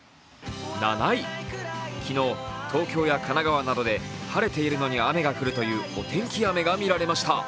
昨日、東京や神奈川などで晴れているのに雨が降るというお天気雨が見られました。